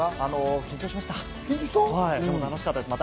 緊張しました。